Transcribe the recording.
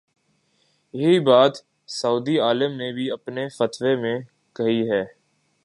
یہی بات سعودی عالم نے بھی اپنے فتوے میں کہی ہے۔